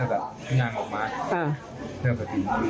แนวงานออกมา